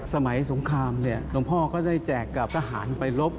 สมัยสงครามหลวงพ่อก็ได้แจกกับทหารไปรบ